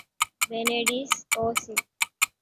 Benedis, o Cil!